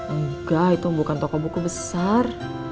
enggak itu bukan toko buku besar